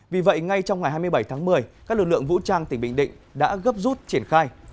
vì vậy ngay trong ngày hai mươi bảy tháng một mươi các lực lượng vũ trang tỉnh bình định đã gấp rút triển khai